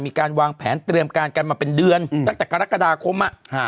มีการวางแผนเตรียมการกันมาเป็นเดือนตั้งแต่กรกฎาคม